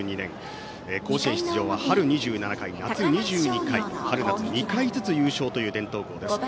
甲子園出場は春２７回夏２２回春夏２回ずつ優勝という伝統校です。